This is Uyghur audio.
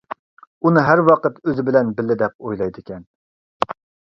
ئۇنى ھەر ۋاقىت ئۆزى بىلەن بىللە دەپ ئويلايدىكەن.